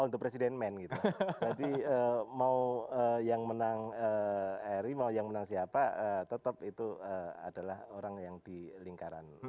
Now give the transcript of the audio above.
jadi mau yang menang eri mau yang menang siapa tetap itu adalah orang yang di lingkaran